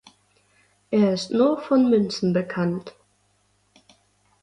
Er ist nur von Münzen bekannt.